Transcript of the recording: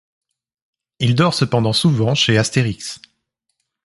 Il dort cependant souvent chez Astérix.